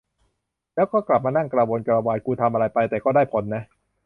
แล้วก็กลับมานั่งกระวนกระวายกูทำอะไรไป แต่ก็ได้ผลนะ